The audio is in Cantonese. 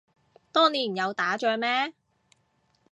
當年有打仗咩